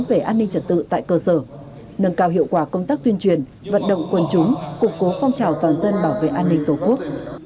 về an ninh trật tự tại cơ sở nâng cao hiệu quả công tác tuyên truyền vận động quân chúng cục cố phong trào toàn dân bảo vệ an ninh tổ quốc